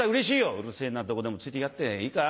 「うるせぇなどこでもついて来やがっていいか？